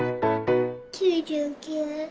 ９９。